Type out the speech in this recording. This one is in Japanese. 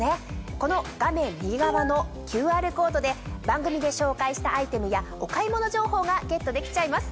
この画面右側のＱＲコードで番組で紹介したアイテムやお買い物情報がゲットできちゃいます。